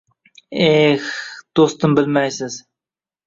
Esh, do’stim, bilmaysiz